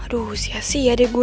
aduh sia sia deh bu